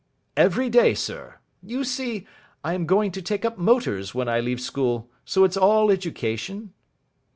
"Every day, sir. You see, I am going to take up motors when I leave school, so it's all education."